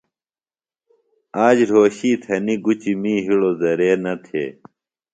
آج رھوشی تھنیۡ گُچیۡ می ہِڑوۡ زرے نہ تھے۔